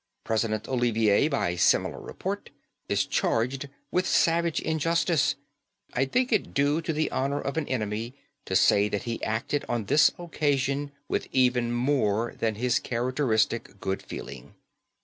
President Olivier by similar report is charged with savage injustice. I think it due to the honour of an enemy to say that he acted on this occasion with even more than his characteristic good feeling.